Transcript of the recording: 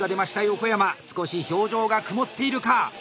横山少し表情が曇っているか。